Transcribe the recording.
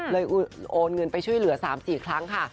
โอนเงินไปช่วยเหลือ๓๔ครั้งค่ะ